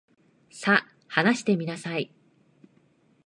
さ、話してみなさい。